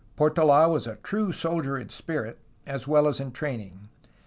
Portola was a true soldier in spirit, as well as in training.